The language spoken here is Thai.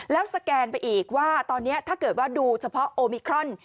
แล้วสแกนไปอีกว่าตอนนี้ถ้าเกิดว่าดูเฉพาะโอมิครอน